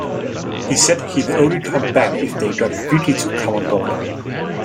He said he'd only come back if they'd get Vikki to come on board.